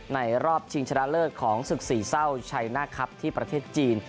รอบชิงชนะเลิศของศึกสี่เศร้าชัยหน้าครับที่ประเทศจีน